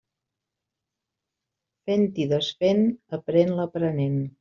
Fent i desfent aprén l'aprenent.